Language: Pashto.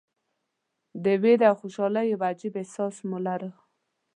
د ویرې او خوشالۍ یو عجیب احساس مې لرلو.